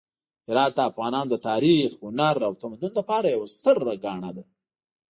هرات د افغانانو د تاریخ، هنر او تمدن لپاره یوه ستره ګاڼه ده.